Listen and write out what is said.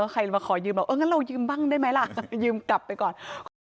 ใครมาขอยืมบอกเอองั้นเรายืมบ้างได้ไหมล่ะยืมกลับไปก่อน